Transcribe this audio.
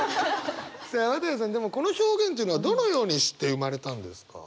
綿矢さんでもこの表現っていうのはどのようにして生まれたんですか？